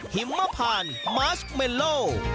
หิมะผ่านมาสเมลโล